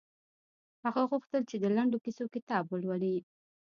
هغه غوښتل چې د لنډو کیسو کتاب ولولي